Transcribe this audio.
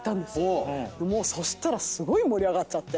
そしたらすごい盛り上がっちゃって。